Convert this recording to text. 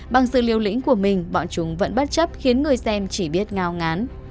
bằng sự liều lĩnh của mình bọn chúng vẫn bất chấp khiến người xem chỉ biết ngao ngán